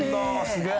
すげえ。